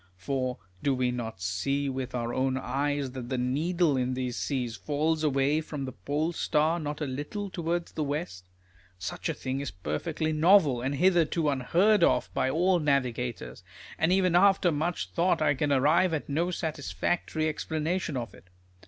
For do we not see with our own eyes that the needle in these seas falls away from the Pole Star not a little towards the west ? Such a thing is perfectly novel, and hitherto unheard of by COLUMBUS AND GUTIERREZ. 141 all navigators ; and even after much thought I can arrive at no satisfactory explanation of it.